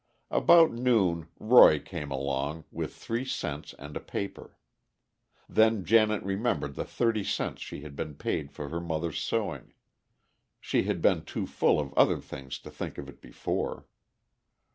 About noon Roy came along, with three cents and a paper. Then Janet remembered the thirty cents she had been paid for her mother's sewing; she had been too full of other things to think of it before.